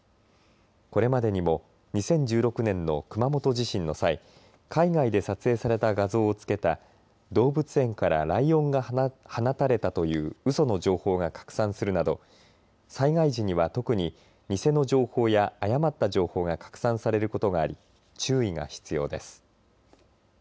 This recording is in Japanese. これまでにも２０１６年の熊本地震の際海外で撮影された画像をつけた動物園からライオンが放たれたといううその情報が拡散するなど災害時には特に偽の情報や誤った情報が拡散されることがあり注意が必要です。